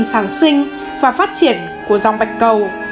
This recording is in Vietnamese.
phát triển sản sinh và phát triển của dòng bạch cầu